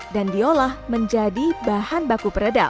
dan diolah menjadi bahan baku peredam